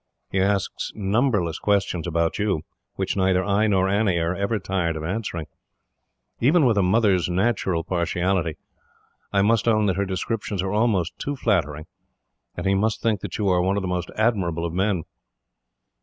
He asks numberless questions about you, which neither I nor Annie are ever tired of answering. Even with a mother's natural partiality, I must own that her descriptions are almost too flattering, and he must think that you are one of the most admirable of men.